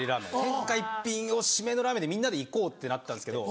天下一品を締めのラーメンでみんなで行こうってなったんですけど